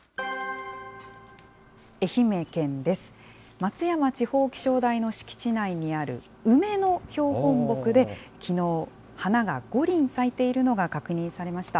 松山地方気象台の敷地内にある梅の標本木で、きのう、花が５輪咲いているのが確認されました。